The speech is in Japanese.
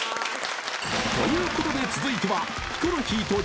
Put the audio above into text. ［ということで続いては］